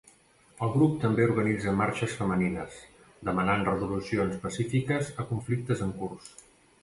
El grup també organitza marxes femenines, demanant resolucions pacífiques a conflictes en curs.